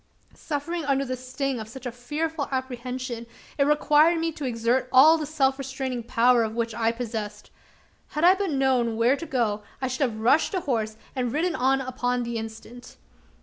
Suffering under the sting of such a fearful apprehension, it required me to exert all the self restraining power of which I was possessed. Had I but known where to go, I should have rushed to horse, and ridden on upon the instant.